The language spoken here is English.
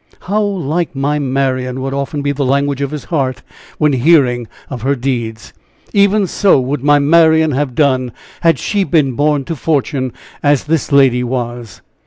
"How like my Marian?" would often be the language of his heart, when hearing of her deeds. "Even so would my Marian have done had she been born to fortune, as this lady was."